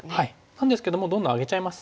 なんですけどもうどんどんあげちゃいます。